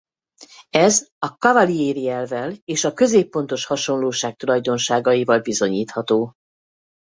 Ez a Cavalieri-elvvel és a középpontos hasonlóság tulajdonságaival bizonyítható.